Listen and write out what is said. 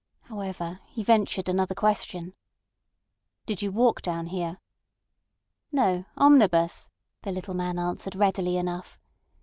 However, he ventured another question. "Did you walk down here?" "No; omnibus," the little man answered readily enough.